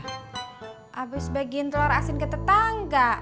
habis bagiin telur asin ke tetangga